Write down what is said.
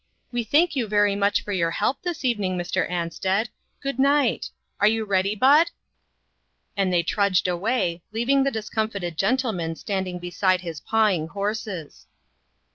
We thank you very much for your help this STARTING FOR HOME. 2$ I evening, Mr. Ansted. Good night f Are you ready, Bud?" And they trudged away, leaving the dis comfited gentleman standing beside his pawing horses.